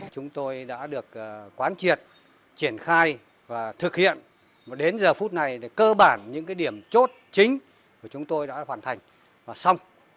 chúng tôi đã được quán triệt triển khai và thực hiện đến giờ phút này cơ bản những điểm chốt chính của chúng tôi đã hoàn thành và xong